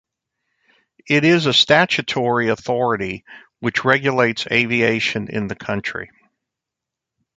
It is a statutory authority which regulates aviation in the country.